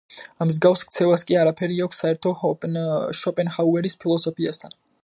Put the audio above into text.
მსგავს ქცევას კი არაფერი აქვს საერთო შოპენჰაუერის ფილოსოფიასთან.